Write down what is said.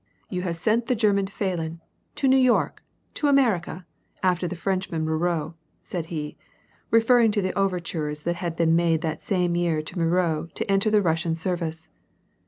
You have sent the German Pahlen, to New York, to America, after the Frenchman Moreau," said he, referring to the overtures that had been made that same year to Moreau to enter the Russian service.